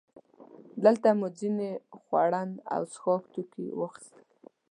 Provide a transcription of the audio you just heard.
دلته مو ځینې خوړن او څښاک توکي واخیستل.